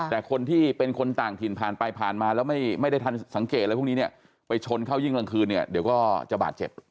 แต่คนที่เป็นคนต่างถิ่นผ่านไปผ่านมาแล้วไม่ได้ทันสังเกตอะไรพวกนี้เนี่ยไปชนเข้ายิ่งกลางคืนเนี่ยเดี๋ยวก็จะบาดเจ็บ